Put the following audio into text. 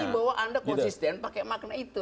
pasti untuk menguji bahwa anda konsisten pakai makna itu